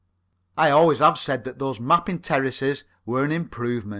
I always have said that those Mappin Terraces were an improvement.